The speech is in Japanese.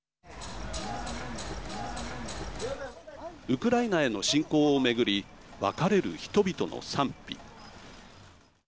ウクライナへの侵攻をめぐり分かれる人々の賛否。